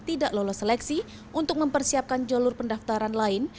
tidak lolos seleksi untuk mempersiapkan jalur pendaftaran lain